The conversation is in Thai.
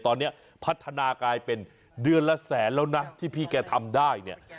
ตอนนี้พัฒนากลายเป็นเดือนละแสนแล้วนะที่พี่แกทำได้เนี่ย